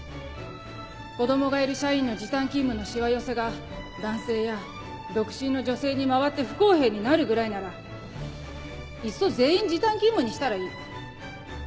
子供がいる社員の時短勤務のしわ寄せが男性や独身の女性に回って不公平になるぐらいならいっそ全員時短勤務にしたらいい。